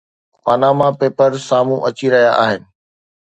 Panama papers سامهون اچي رهيا آهن.